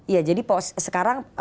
ya jadi sekarang